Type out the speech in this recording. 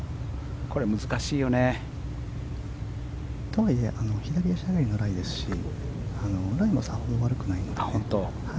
これ、難しいよね。とはいえ左足上がりのライですしライもさほど悪くないので。